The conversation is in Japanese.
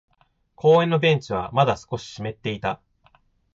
公園のベンチはまだ少し湿っていた。